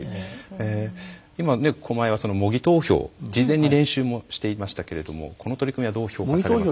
今狛江は模擬投票事前に練習もしていましたけれどもこの取り組みはどう評価されますか。